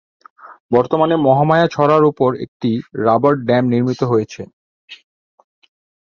বর্তমানে মহামায়া ছড়ার উপর একটি রাবার ড্যাম নির্মিত হয়েছে।